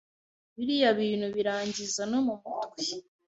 ‘biriya bintu birangiza no mu mutwe